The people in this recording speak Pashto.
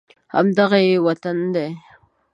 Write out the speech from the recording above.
همدغه یې وطن دی